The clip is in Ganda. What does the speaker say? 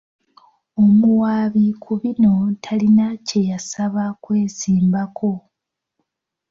Omuwaabi ku bino talina kye yasaba kwesimbako.